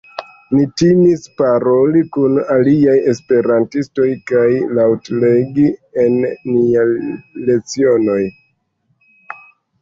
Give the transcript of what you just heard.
Ni timis paroli kun aliaj esperantistoj kaj laŭt-legi en niaj lecionoj.